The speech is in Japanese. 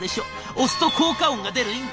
押すと効果音が出る印鑑。